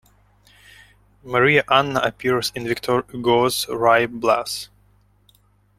Maria Anna appears in Victor Hugo's Ruy Blas.